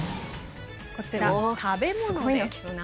こちら食べ物です。